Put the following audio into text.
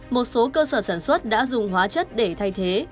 một số cơ sở sản xuất đã dùng hóa chất để thay thế